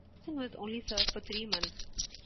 Boston was only served for three months.